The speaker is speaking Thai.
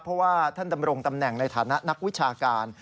เพราะว่าท่านดำรงตำแหน่งในฐานะนักวิชาการ